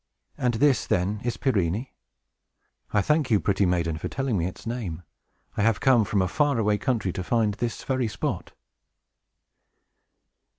And this, then, is Pirene? I thank you, pretty maiden, for telling me its name. I have come from a far away country to find this very spot."